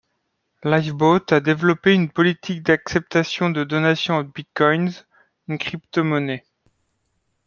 Lifeboat a développé une politique d'acceptation de donations en bitcoins, une crypto-monnaie.